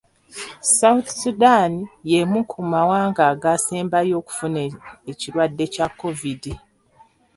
South Sudan y'emu ku mawanga agaasembayo okufuna ekirwadde kya Kovidi.